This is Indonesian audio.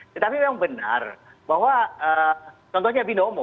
tetapi memang benar bahwa contohnya binomo